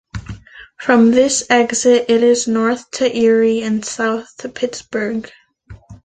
From this exit it is north to Erie and south to Pittsburgh.